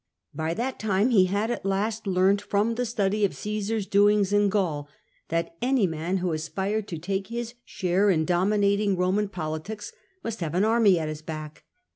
By that time he had at last learnt, from the study of Caesar's doings in Gaul, that any man who aspired to take his share in dominating Roman politics must have an army at his back.